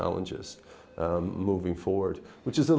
lần tới khiinda